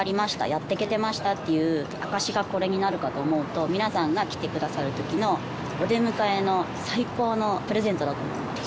やってけてましたっていう証しがこれになるかと思うと皆さんが来てくださる時のお出迎えの最高のプレゼントだと思います